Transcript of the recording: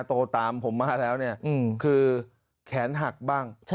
ตามผมมาแล้วเนี่ยคือแขนหักบ้าง